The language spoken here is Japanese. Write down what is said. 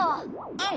うん。